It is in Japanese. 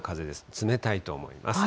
冷たいと思います。